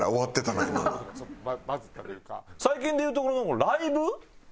最近でいうところのライブ